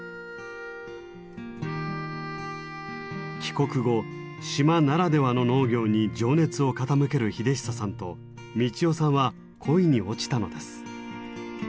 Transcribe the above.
帰国後島ならではの農業に情熱を傾ける秀久さんと三千代さんは恋に落ちたのです。